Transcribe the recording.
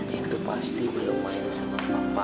itu pasti belum main sama papa